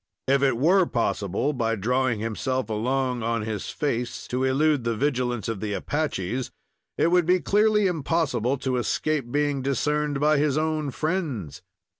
If it were possible, by drawing himself along on his face, to elude the vigilance of the Apaches, it would be clearly impossible to escape being discerned by his own friends.